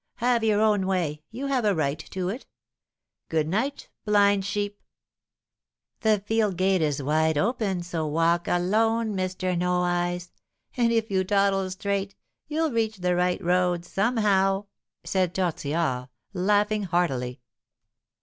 Have your own way; you have a right to it. Good night, blind sheep!" "The field gate is wide open, so walk alone, Mister No eyes; and, if you toddle straight, you'll reach the right road somehow," said Tortillard, laughing heartily.